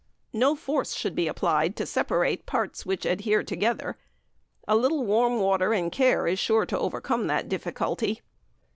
No force should be applied to separate parts which adhere together; a little warm water and care is sure to overcome that difficulty.